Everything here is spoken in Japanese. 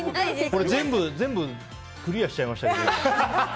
全部クリアしちゃいましたけど。